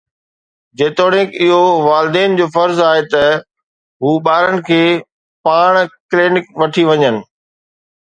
جيتوڻيڪ اهو والدين جو فرض آهي ته هو ٻارن کي پاڻ ڪلينڪ وٺي وڃن.